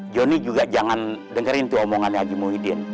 joni juga jangan dengerin tuh omongannya haji muhyiddin